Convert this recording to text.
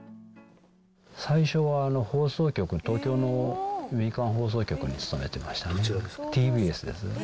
最初は放送局に、東京の民間放送局に勤めてましたね。